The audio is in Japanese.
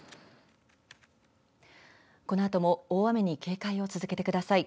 このあとも大雨に警戒を続けてください。